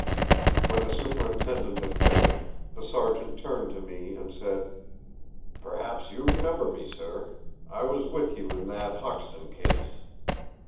When the Superintendent had finished, the Sergeant turned to me and said: "Perhaps you remember me, sir. I was with you in that Hoxton case."